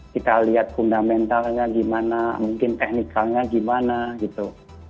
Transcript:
kita lihat fundamentalnya gimana mungkin teknikalnya gimana gitu